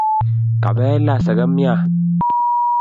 Kapela segemiat